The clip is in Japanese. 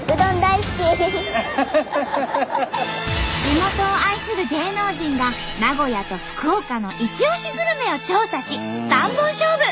地元を愛する芸能人が名古屋と福岡のいちおしグルメを調査し３本勝負！